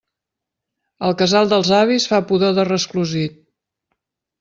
El casal dels avis fa pudor de resclosit.